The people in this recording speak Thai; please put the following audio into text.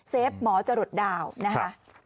เซฟหมอจรดดาวนะคะ